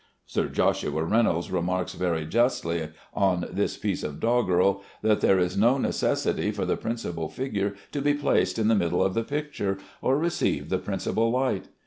Sir Joshua Reynolds remarks very justly on this piece of doggerel, that there is no necessity for the principal figure to be placed in the middle of the picture, or receive the principal light.